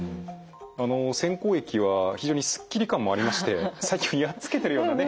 あの洗口液は非常にすっきり感もありまして細菌をやっつけているようなね